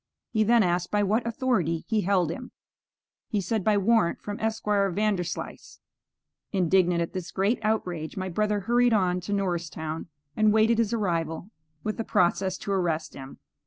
He then asked by what authority he held him. He said by warrant from Esquire Vanderslice. Indignant at this great outrage, my brother hurried on to Norristown, and waited his arrival with a process to arrest him.